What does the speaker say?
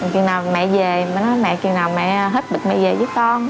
khi nào mẹ về mẹ nói khi nào hết bịch mẹ về với con